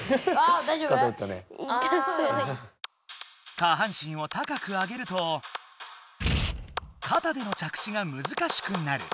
下半身を高く上げるとかたでの着地がむずかしくなる。